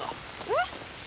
えっ？